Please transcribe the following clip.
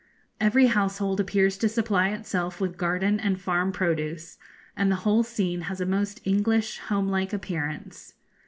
Every household appears to supply itself with garden and farm produce, and the whole scene has a most English, home like appearance.